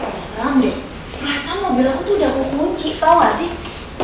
keren deh rasa mobil aku tuh udah aku kunci tau gak sih